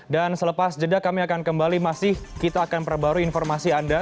selepas jeda kami akan kembali masih kita akan perbarui informasi anda